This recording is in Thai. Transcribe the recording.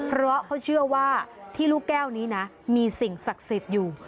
เพราะเขาเชื่อว่าที่ลูกแก้วนี้นะมีสิ่งศักดิ์สิทธิ์อยู่